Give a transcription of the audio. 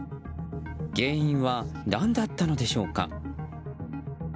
原因は何だったのでしょうか。